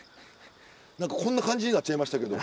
何かこんな感じになっちゃいましたけど。